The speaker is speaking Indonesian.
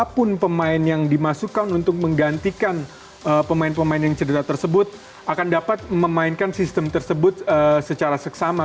siapapun pemain yang dimasukkan untuk menggantikan pemain pemain yang cedera tersebut akan dapat memainkan sistem tersebut secara seksama